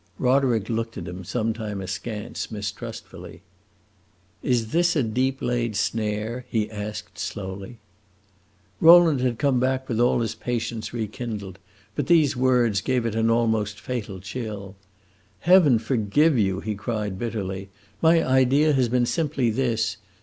Roderick looked at him some time askance, mistrustfully. "Is this a deep laid snare?" he asked slowly. Rowland had come back with all his patience rekindled, but these words gave it an almost fatal chill. "Heaven forgive you!" he cried bitterly. "My idea has been simply this.